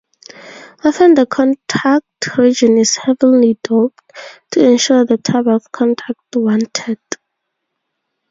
Often the contact region is heavily doped to ensure the type of contact wanted.